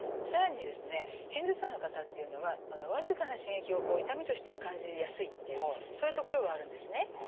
更にですね片頭痛の方っていうのは僅かな刺激を痛みとして感じやすいというそういうところがあるんですね。